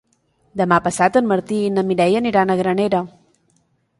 Demà passat en Martí i na Mireia aniran a Granera.